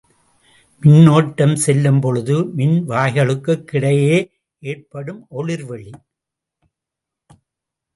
மின்னோட்டம் செல்லும் பொழுது, மின்வாய்களுக் கிடையே ஏற்படும் ஒளிர் வெளி.